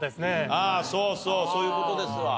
ああそうそうそういう事ですわ。